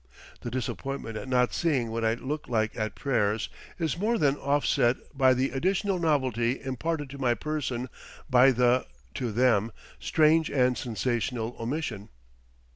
The disappointment at not seeing what I look like at prayers is more than offset by the additional novelty imparted to my person by the, to them, strange and sensational omission.